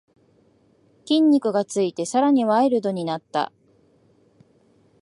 筋肉がついてさらにワイルドになった